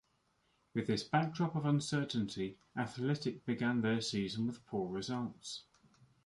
With this backdrop of uncertainty Athletic began their season with poor results.